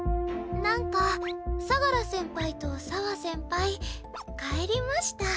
なんか相楽先輩と沢先輩帰りました。